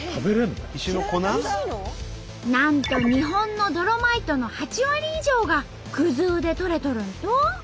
なんと日本のドロマイトの８割以上が生で採れとるんと！